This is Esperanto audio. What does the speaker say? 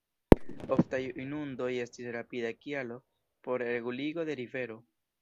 Oftaj inundoj estis rapida kialo por reguligo de rivero.